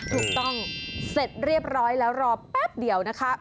ถูกต้องเสร็จเรียบร้อยแล้วรอแป๊บเดียวนะคะ